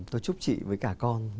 tôi chúc chị với cả con